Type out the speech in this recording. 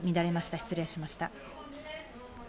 失礼しました。